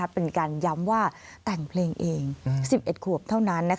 เป็นการย้ำว่าแต่งเพลงเอง๑๑ขวบเท่านั้น